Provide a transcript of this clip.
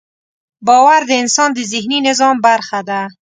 باور د انسان د ذهني نظام برخه ده.